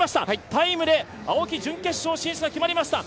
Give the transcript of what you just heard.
タイムで青木、準決勝進出が決まりました。